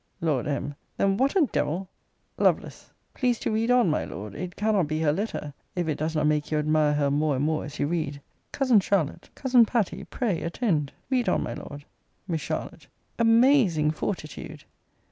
Lord M. Then what a devil Lovel. Please to read on, my Lord. It cannot be her letter, if it does not make you admire her more and more as you read. Cousin Charlotte, Cousin Patty, pray attend Read on, my Lord. Miss Charlotte. Amazing fortitude!